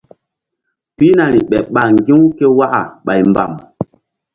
Pihnari ɓeɓ ɓah ŋgi̧-u ké waka ɓay mbam.